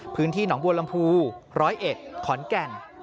พื้นที่หนองบัวลำพูร้อยเอ็ดขอนแก่น